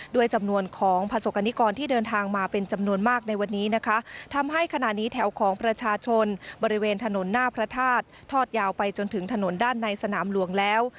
ด้วยจำนวนของประสบกรณิกรที่เดินทางมาเป็นจำนวนมากในวันนี้นะคะทำให้ขณะนี้แถวของประชาชนบริเวณถนนหน้าพระธาตุทอดยาวไปจนถึงถนนด้านในสนามหลวงแล้ว